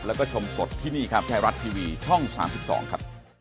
แล้วก็ชมสดที่นี่ครับไทยรัฐทีวีช่อง๓๒ครับ